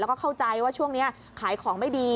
แล้วก็เข้าใจว่าช่วงนี้ขายของไม่ดี